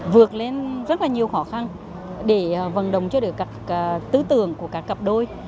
vượt lên rất là nhiều khó khăn để vận động cho được tư tưởng của các cặp đôi